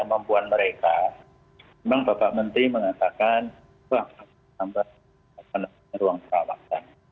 mereka bisa menambah ruang perawatan